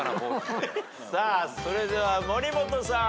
さあそれでは森本さん。